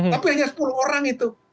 tapi hanya sepuluh orang itu